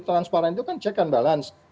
transparan itu kan check and balance